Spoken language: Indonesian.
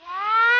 wah ya keren